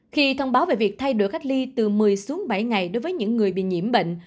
khi thông báo về việc thay đổi cách ly từ một mươi xuống bảy ngày đối với những người bị nhiễm bệnh